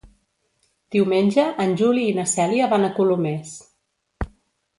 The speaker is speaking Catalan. Diumenge en Juli i na Cèlia van a Colomers.